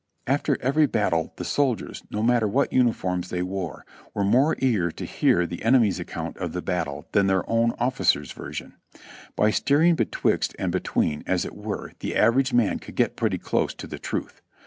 After every battle the soldiers, no matter what uniforms they wore, were more eager to hear the enemy's account of the battle than their own officers' version. By steering betwixt and be tween, as it were, the average man could get pretty close to the truth.